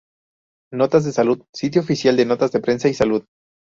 Notas de Salud Sitio oficial de notas de prensa y salud.